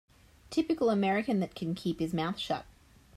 Typical American that can keep his mouth shut.